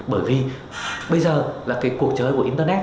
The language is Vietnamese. bởi vì bây giờ là cuộc chơi của internet